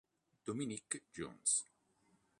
Dominique Jones